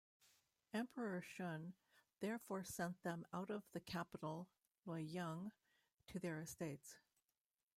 Emperor Shun therefore sent them out of the capital Luoyang, to their estates.